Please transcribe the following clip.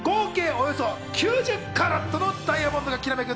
およそ９０カラットのダイヤモンドがきらめく